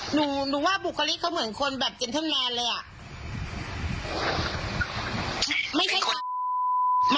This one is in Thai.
อ๋อหนูว่าบุคลิกเขาเหมือนคนแบบเจนเทิมแมนเลยอ่ะ